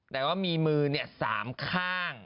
แต่ว่ามีมือ๓ข้าง